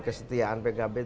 kesetiaan pkb telah mendukung